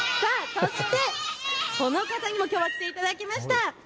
そしてこの方にもきょうは来ていただきました。